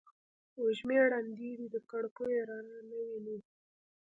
وږمې ړندې دي د کړکېو رڼا نه ویني